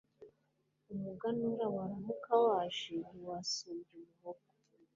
umuganura waramuka waje ntiwansumbya umuhogo